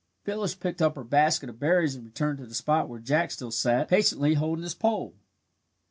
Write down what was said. Phyllis picked up her basket of berries and returned to the spot where Jack still sat patiently holding his pole.